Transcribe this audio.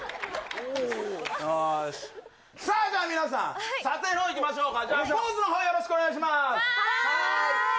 よーし、さあじゃあ皆さん、撮影のほういきましょうか。